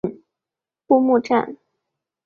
布目站。